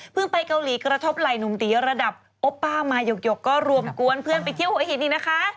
ไปเกาหลีกระทบไหล่หนุ่มตีระดับโอป้ามาหยกก็รวมกวนเพื่อนไปเที่ยวหัวหินอีกนะคะ